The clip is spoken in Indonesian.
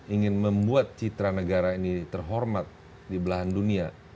ingin membuat citra negara ini terhormat di belahan dunia